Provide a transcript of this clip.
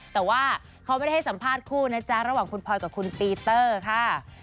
แต่ว่าเขาไม่ได้ให้สัมภาษณ์คู่นะจ๊ะระหว่างคุณพลอยกับคุณปีเตอร์ค่ะ